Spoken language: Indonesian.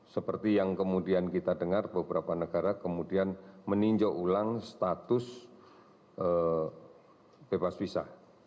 seperti yang kemudian kita dengar beberapa negara kemudian meninjau ulang status bebas visa